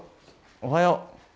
おはよう。